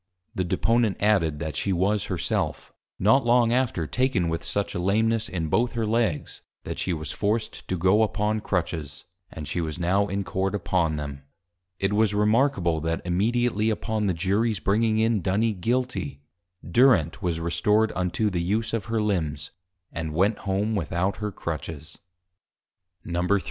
The Deponent added, that she was Her self, not long after taken with such a Lameness, in both her Legs, that she was forced to go upon Crutches; and she was now in Court upon them. [It was Remarkable, that immediately upon the Juries bringing in Duny Guilty, Durent was restored unto the use of her Limbs, and went home without her Crutches.] _III.